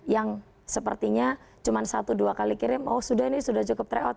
yang sepertinya cuma satu dua kali kirim oh sudah ini sudah cukup tryout